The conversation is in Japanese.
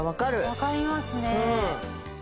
わかりますね。